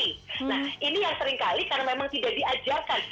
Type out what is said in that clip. nah ini yang seringkali karena memang tidak diajarkan